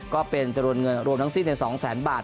ก็เป็นจะโดนเงินรวมทั้งสิ้นใน๒๐๐๐๐๐บาท